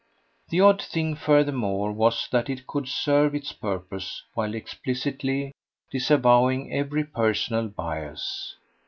The odd thing furthermore was that it could serve its purpose while explicitly disavowing every personal bias.